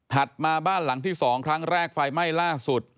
มาบ้านหลังที่๒ครั้งแรกไฟไหม้ล่าสุด